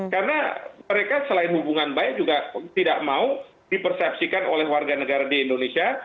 karena mereka selain hubungan baik juga tidak mau dipersepsikan oleh warga negara di indonesia